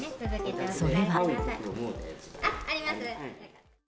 それは。